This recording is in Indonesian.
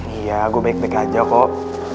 iya aku baik baik aja kok